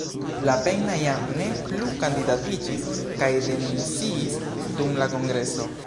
Lapenna jam ne plu kandidatiĝis kaj demisiis dum la kongreso.